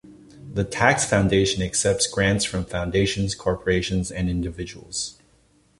The Tax Foundation accepts grants from foundations, corporations, and individuals.